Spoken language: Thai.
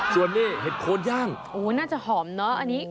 ส่วนนี้เห็ดโคนย่างโอ้น่าจะหอมเนอะอันนี้